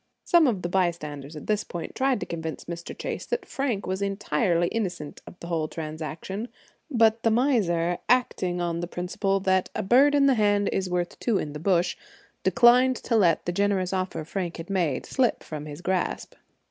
Some of the bystanders at this point tried to convince Mr. Chase that Frank was entirely innocent of the whole transaction; but the miser, acting on the principle that "a bird in the hand is worth two in the bush," declined to let the generous offer Frank had made slip from his grasp.